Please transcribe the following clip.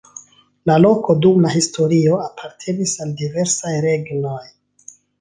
La loko dum la historio apartenis al diversaj regnoj.